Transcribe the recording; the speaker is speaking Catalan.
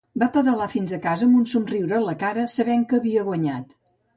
Va pedalar fins a casa amb un somriure a la cara sabent que havia guanyat.